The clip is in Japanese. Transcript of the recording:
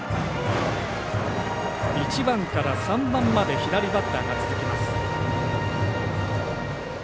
１番から３番まで左バッターが続きます。